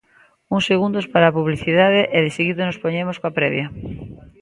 Uns segundos para a publicidade e deseguido nos poñemos coa previa...